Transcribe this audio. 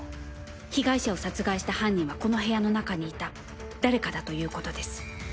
被害者を殺害した犯人はこの部屋の中にいた誰かだということです。